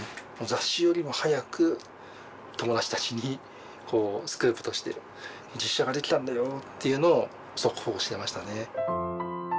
雑誌よりも早く友達たちにスクープとして実車が出来たんだよっていうのを速報してましたね。